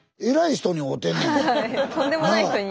とんでもない人に。